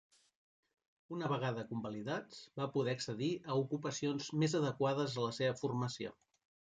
Una vegada convalidats, va poder accedir a ocupacions més adequades a la seva formació.